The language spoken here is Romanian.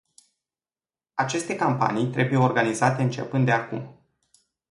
Aceste campanii trebuie organizate începând de acum.